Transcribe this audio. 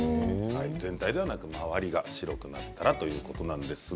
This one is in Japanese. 全体ではなく周りが白くなったらということです。